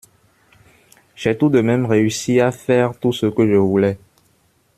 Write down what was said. J’ai tout de même réussi à faire tout ce que je voulais.